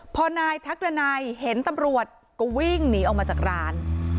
พอนายทักดันัยเห็นตำรวจก็วิ่งหนีออกมาจากร้าน